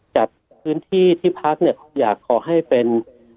จัดพื้นที่ที่พักเนี่ยอยากขอให้เป็น